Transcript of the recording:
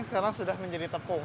sekarang sudah menjadi tepung